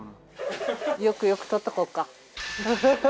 よくよく撮っとこうか。